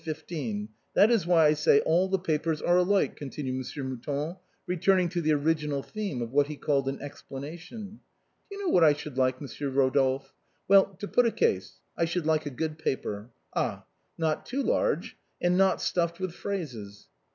That is why I say all the papers are alike," continued Monsieur Mouton, returning to the original theme of what he called an explanation. " Do you know what I should like, Monsieur Eodolphe? Well, to put a case. I should like a good paper. Ah! not too large and not stuifed with phrases."